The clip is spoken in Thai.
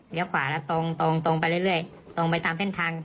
ขวาแล้วตรงตรงไปเรื่อยตรงไปตามเส้นทาง